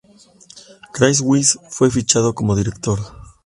Chris Weitz fue fichado como director.